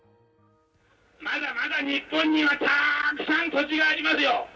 まだまだ日本にはたくさん土地がありますよ。